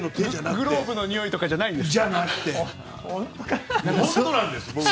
グローブの匂いとかじゃないんですね。